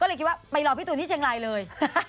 ก็เลยคิดว่าไปรอพี่ตูนที่เชียงรายเลย